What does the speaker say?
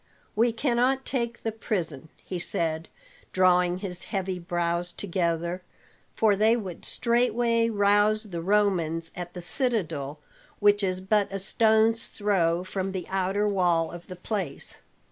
"We cannot take the prison," he said, drawing his heavy brows together. "For they would straightway rouse the Romans at the citadel, which is but a stone's throw from the outer wall of the place.